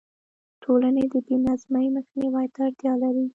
ټولنې د بې نظمۍ مخنیوي ته اړتیا لري.